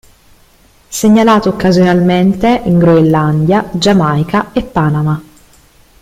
Segnalato occasionalmente in Groenlandia, Giamaica e Panama.